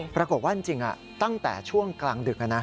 ปรากฏว่าจริงตั้งแต่ช่วงกลางดึก